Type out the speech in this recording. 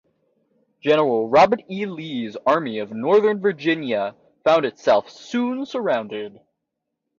General Robert E. Lee's Army of Northern Virginia found itself soon surrounded.